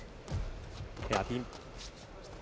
ヘアピン。